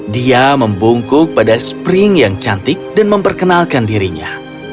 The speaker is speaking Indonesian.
dia membungkuk pada spring yang cantik dan memperkenalkan dirinya